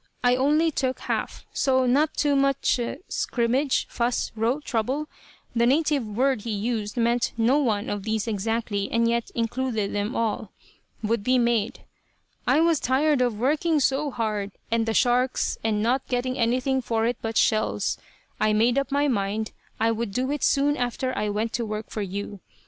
I only took half, so not too much" (scrimmage, fuss, row, trouble, the native word he used meant no one of these exactly, and yet included them all) "would be made. I was tired of working so hard, and the sharks, and not getting anything for it but shells. I made up my mind I would do it soon after I went to work for you.